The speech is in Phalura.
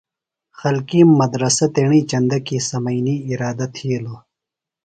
خلکِیم مدرسہ تیݨئے چندہ کیۡ سمئینی اِرادہ تِھیلوۡ۔